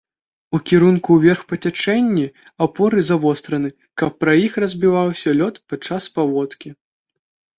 У кірунку ўверх па цячэнні апоры завостраны, каб пра іх разбіваўся лёд падчас паводкі.